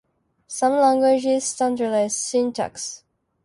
Some languages standardize syntax.